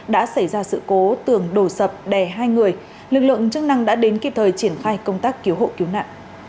đã xảy ra sự cố tường đổ sập đè hai người lực lượng chức năng đã đến kịp thời triển khai công tác cứu hộ cứu nạn